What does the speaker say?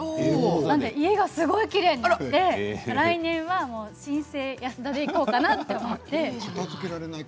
なので家がすごいきれいになって来年は新生安田でいこうかなと思って。